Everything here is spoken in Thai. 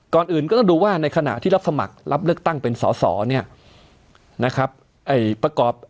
ก่อนอื่นก็ต้องดูว่าในขณะที่รับสมัครรับเลือกตั้งเป็นสอสอเนี่ยนะครับ